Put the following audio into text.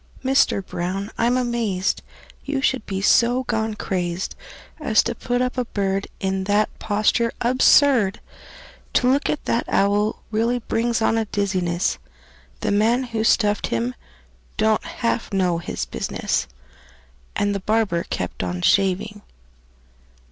Mister Brown, I'm amazed You should be so gone crazed As to put up a bird In that posture absurd! To look at that owl really brings on a dizziness; The man who stuffed him don't half know his business!" And the barber kept on shaving.